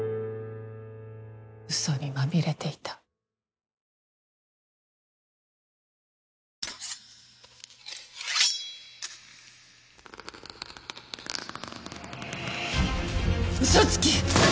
ウソにまみれていたウソつき！